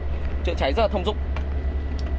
bình chưa cháy rất là thông dụng